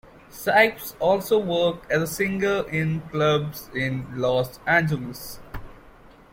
Cipes also works as a singer in clubs in Los Angeles.